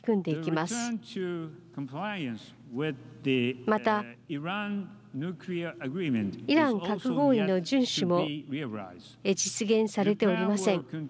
また、イラン核合意の順守も実現されておりません。